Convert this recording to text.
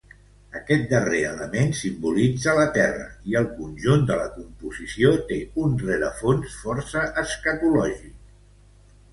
Aquest darrer element simbolitza la Terra i el conjunt de la composició té un rerefons força escatològic.